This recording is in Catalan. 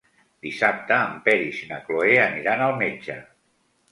Dissabte en Peris i na Cloè aniran al metge.